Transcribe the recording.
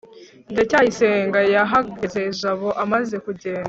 ndacyayisenga yahageze jabo amaze kugenda